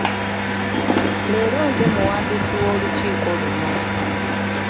Leero nze muwandiisi w'olukiiko luno.